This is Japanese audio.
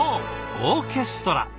オーケストラ。